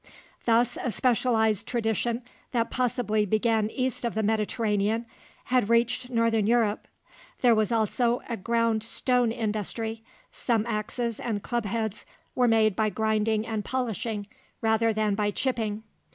Thus, a specialized tradition that possibly began east of the Mediterranean had reached northern Europe. There was also a ground stone industry; some axes and club heads were made by grinding and polishing rather than by chipping.